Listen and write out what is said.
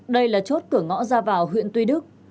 đây là chốt cửa ngõ ra vào huyện tuy đức